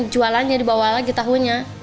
jualannya dibawa lagi tahunya